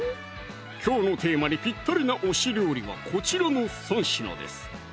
きょうのテーマにぴったりな推し料理はこちらの３品です